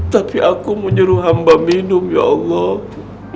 tapi aku menyuruh hamba minum ya allah